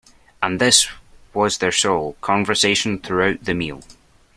And this was their sole conversation throughout the meal.